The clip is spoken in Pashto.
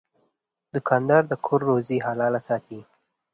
دوکاندار د کور روزي حلاله ساتي.